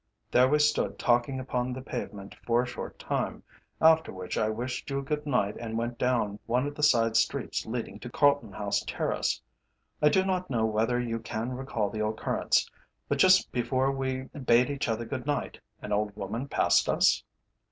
There we stood talking upon the pavement for a short time, after which I wished you good night and went down one of the side streets leading to Carlton House Terrace. I do not know whether you can recall the occurrence, but just before we bade each other good night, an old woman passed us?"